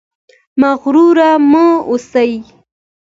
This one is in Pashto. مغرور مه اوسئ